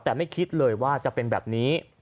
แต่ไม่คิดเลยว่าจะเป็นแบบนี้